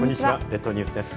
列島ニュースです。